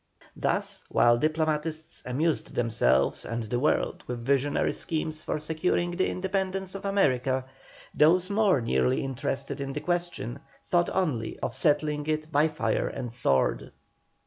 Thus while diplomatists amused themselves and the world with visionary schemes for securing the independence of America, those more nearly interested in the question thought only of settling it by fire and sword.